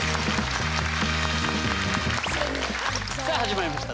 さあ始まりました